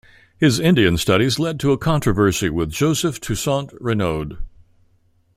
His Indian studies led to a controversy with Joseph Toussaint Reinaud.